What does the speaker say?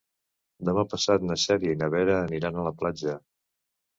Demà passat na Cèlia i na Vera aniran a la platja.